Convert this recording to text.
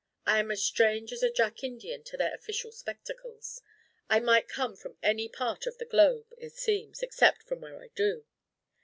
I am as strange as a Jack Indian to their official spectacles. I might come from any part of the globe, it seems, except from where I do.